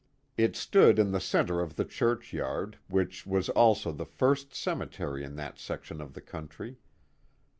It stood in the centre of the churchyard, which was also the first cemetery in that section of the country.